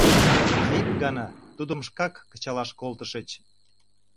А ик гана тудым шкак кычалаш колтышыч.